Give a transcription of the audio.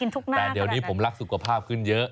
แต่เดี๋ยวนี้ผมรักสุขภาพขึ้นเยอะ